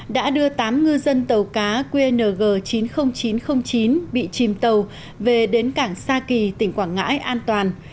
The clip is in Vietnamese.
đã đưa tám ngư dân tàu cá qng chín mươi nghìn chín trăm linh chín bị chìm tàu về đến cảng sa kỳ tỉnh quảng ngãi an toàn